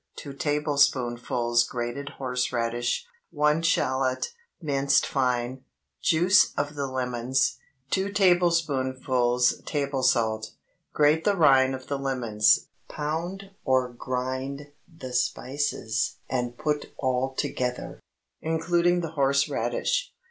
2 tablespoonfuls grated horse radish. 1 shallot, minced fine. Juice of the lemons. 2 tablespoonfuls table salt. Grate the rind of the lemons; pound or grind the spices, and put all together, including the horse radish.